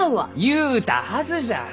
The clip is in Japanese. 言うたはずじゃ！